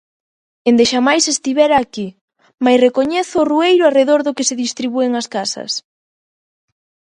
Endexamais estivera aquí, mais recoñezo o rueiro arredor do que se distribúen as casas.